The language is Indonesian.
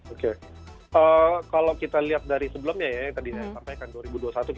oke kalau kita lihat dari sebelumnya ya yang tadi saya sampaikan dua ribu dua puluh satu kita pernah melalui dengan baik